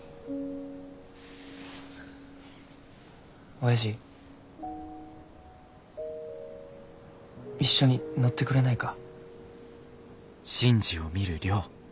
おやじ一緒に乗ってくれないか。